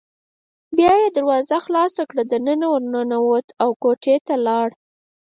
بیا یې دروازه خلاصه کړه او دننه ور ننوت، کوټې ته لاړ.